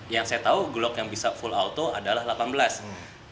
yang saya tahu bulog yang bisa full auto adalah delapan belas